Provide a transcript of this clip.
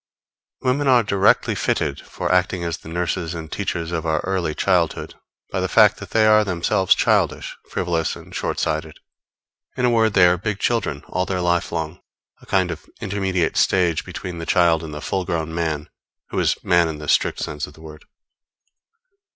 Women are directly fitted for acting as the nurses and teachers of our early childhood by the fact that they are themselves childish, frivolous and short sighted; in a word, they are big children all their life long a kind of intermediate stage between the child and the full grown man, who is man in the strict sense of the word.